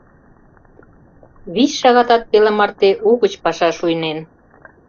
Вич шагатат пеле марте угыч паша шуйнен.